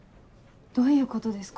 どういうことですか？